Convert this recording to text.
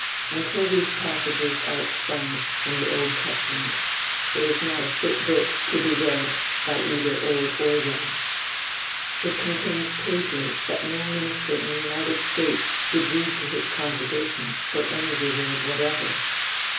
Until these passages are expunged from the Old Testament, it is not a fit book to be read by either old or young. It contains pages that no minister in the United States would read to his congregation for any reward whatever.